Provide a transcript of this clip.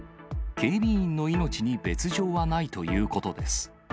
警備員の命に別状はないということです。